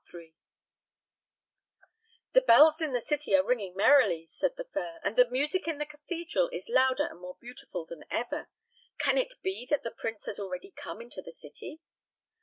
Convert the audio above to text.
III "The bells in the city are ringing merrily," said the fir, "and the music in the cathedral is louder and more beautiful than before. Can it be that the prince has already come into the city?"